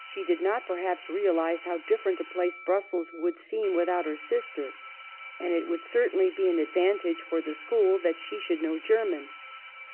She did not perhaps realize how different a place Brussels would seem without her sister. And it would certainly be an advantage for the school that she should know German.